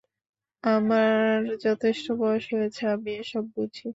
আমার যথেষ্ট বয়স হইয়াছে, আমি এ-সব বুঝি।